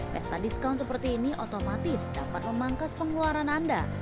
pesta diskaun seperti ini otomatis dapat memangkas pengeluaran anda